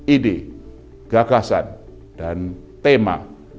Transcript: ide gagasan dan tema